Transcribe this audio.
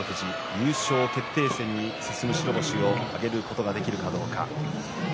優勝決定戦に進む白星を挙げることができるか。